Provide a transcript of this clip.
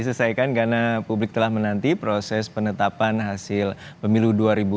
diselesaikan karena publik telah menanti proses penetapan hasil pemilu dua ribu dua puluh